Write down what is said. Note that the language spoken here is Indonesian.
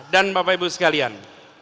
dan bapak ibu sekalian